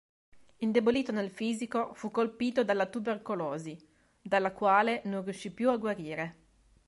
Indebolito nel fisico, fu colpito dalla tubercolosi, dalla quale non riuscì più a guarire.